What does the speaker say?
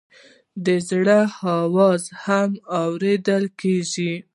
د زړه آواز هم اورېدل کېږي.